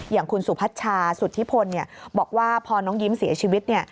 อย่างคุณสุพัชชาสุธิพลบอกว่าพอน้องยิ้มเสียชีวิต